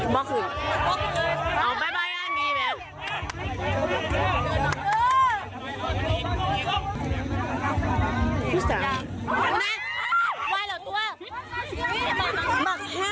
บัคเคมบัคเคม